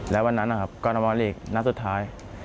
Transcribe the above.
แล้ววันนั้นกรมวลลีกหน้าสุดท้าย